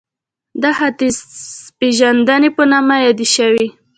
دا ختیځپېژندنې په نامه یادې شوې